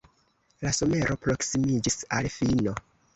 La somero proksimiĝis al fino.